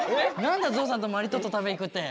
何だぞうさんとマリトッツォ食べ行くって。